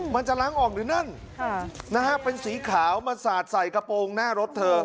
มันจะล้างออกหรือนั่นเป็นสีขาวมาสาดใส่กระโปรงหน้ารถเธอ